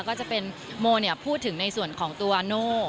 ก็จะเป็นโมพูดถึงในส่วนของตัวโน่